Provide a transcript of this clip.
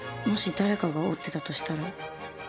もし誰かが折っていたとしたら。